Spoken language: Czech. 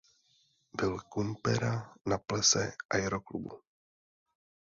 Byl Kumpera na plese Aeroklubu.